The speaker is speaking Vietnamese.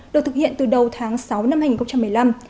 được thực hiện từ đầu tháng sáu năm hai nghìn một mươi năm